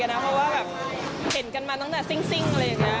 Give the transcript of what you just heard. เพราะว่าแบบเห็นกันมาตั้งแต่ซิ่งเลยนะ